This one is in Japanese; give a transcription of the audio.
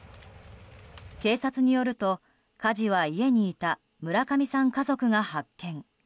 警察によると、火事は家にいた村上さん家族が発見。